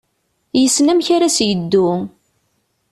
Yessen amek ara s-yeddu.